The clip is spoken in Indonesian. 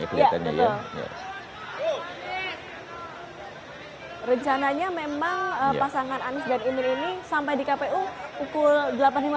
rencananya memang pasangan anies dan cak imin ini sampai di kpu pukul delapan lima belas